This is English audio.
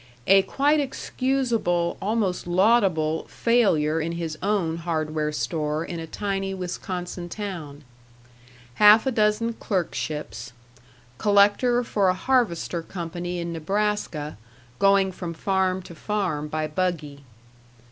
A quite excusable, almost laudable, failure in his own hardware store in a tiny Wisconsin town. Half a dozen clerkships. Collector for a harvester company in Nebraska, going from farm to farm by buggy.